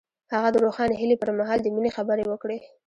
هغه د روښانه هیلې پر مهال د مینې خبرې وکړې.